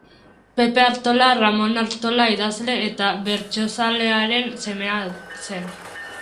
Pepe Artola, Ramon Artola idazle eta bertsozalearen semea zen.